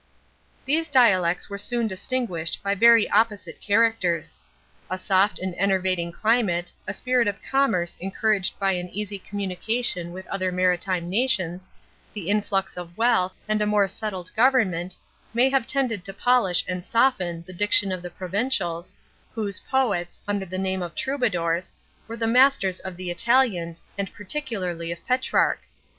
These dialects were soon distinguished by very opposite characters. A soft and enervating climate, a spirit of commerce encouraged by an easy communication with other maritime nations, the influx of wealth, and a more settled government, may have tended to polish and soften the diction of the Provencials, whose poets, under the name of Troubadours, were the masters of the Italians, and particularly of Petrarch.